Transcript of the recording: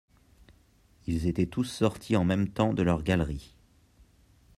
Ils étaient tous sortis en même temps de leurs galeries.